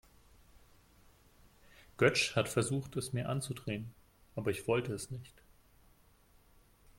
Götsch hat versucht, es mir anzudrehen, aber ich wollte es nicht.